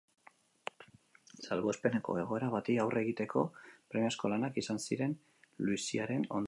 Salbuespeneko egoera bati aurre egiteko premiazko lanak izan ziren luiziaren ondorioz.